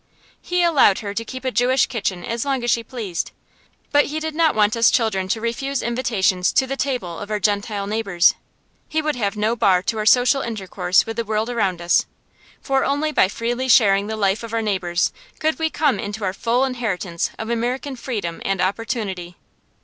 He allowed her to keep a Jewish kitchen as long as she pleased, but he did not want us children to refuse invitations to the table of our Gentile neighbors. He would have no bar to our social intercourse with the world around us, for only by freely sharing the life of our neighbors could we come into our full inheritance of American freedom and opportunity.